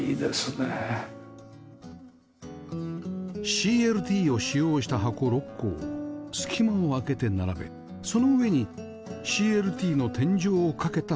ＣＬＴ を使用した箱６個を隙間を空けて並べその上に ＣＬＴ の天井を架けた構造